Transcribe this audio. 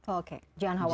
oke jangan khawatir